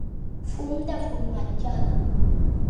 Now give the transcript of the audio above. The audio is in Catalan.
Fum de formatjada.